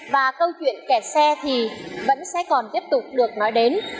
và câu chuyện kẻ xe thì vẫn sẽ còn tiếp tục được nói đến